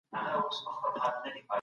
که پريکړه ونسي ټولنه زيان ويني.